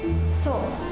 そう。